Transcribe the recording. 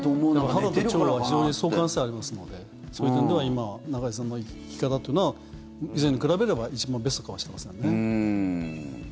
肌と腸は非常に相関性がありますのでそういう点では今、中居さんの生き方というのは以前に比べれば一番ベストかもしれませんね。